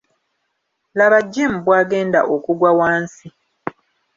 Laba Jim bw'agenda okugwa wansi.